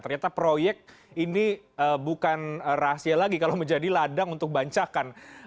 ternyata proyek ini bukan rahasia lagi kalau menjadi ladang untuk bancakan